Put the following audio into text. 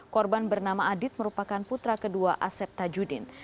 korban bernama adit merupakan putra kedua asep tajudin